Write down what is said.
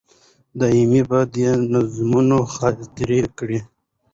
دایمي به دي نظمونه خاطرې کړي